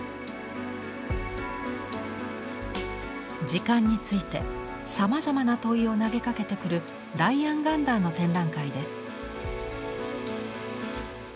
時間についてさまざまな問いを投げかけてくるライアン・ガンダーの展覧会です。